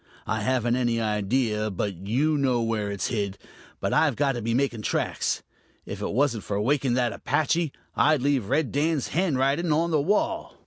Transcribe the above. I haven't any idea but you know where it's hid but I've got to be making tracks. If it wasn't for waking that Apache I'd leave Red Dan's handwriting on the wall."